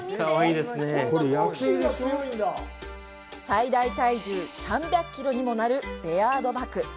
最大体重３００キロにもなるベアードバク。